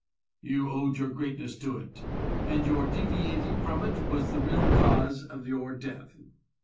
You owed your greatness to it, and your deviating from it was the real cause of your death.